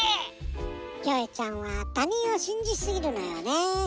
キョエちゃんはたにんをしんじすぎるのよねー。